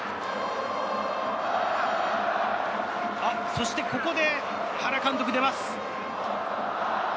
そしてここで原監督、出ます。